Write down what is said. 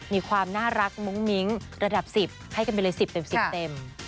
มีความน่ารักมุ้งมิ้งระดับ๑๐ให้กันไปเลย๑๐เต็ม๑๐เต็ม